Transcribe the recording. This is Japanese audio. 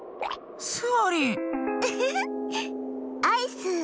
アイス。